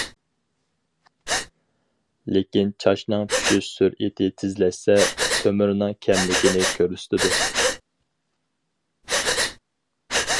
لېكىن چاچنىڭ چۈشۈش سۈرئىتى تېزلەشسە، تۆمۈرنىڭ كەملىكىنى كۆرسىتىدۇ.